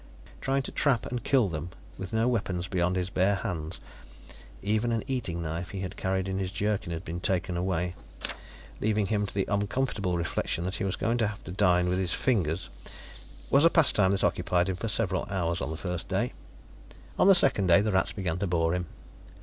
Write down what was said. Trying to trap and kill them, with no weapons beyond his bare hands even an eating knife he had carried in his jerkin had been taken away, leaving him to the uncomfortable reflection that he was going to have to dine with his fingers was a pastime that occupied him for several hours on the first day. On the second day, the rats began to bore him.